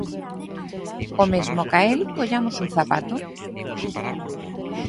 O mesmo ca el, collamos un zapato!